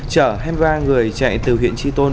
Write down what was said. chở hai mươi ba người chạy từ huyện tri tôn